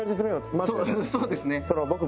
そうですね。